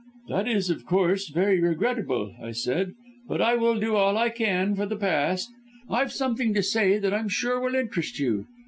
"'That is, of course, very regrettable,' I said, 'but I will do all I can for the past. I've something to say that I'm sure will interest you.